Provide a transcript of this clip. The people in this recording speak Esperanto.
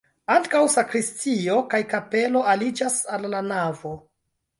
Ankaŭ sakristio kaj kapelo aliĝas al la navo.